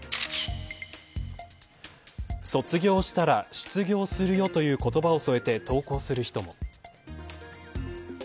卒業したら失業するよという言葉を添えて投稿する人も。